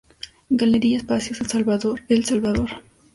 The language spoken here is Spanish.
Galería Espacio, San Salvador, El Salvador.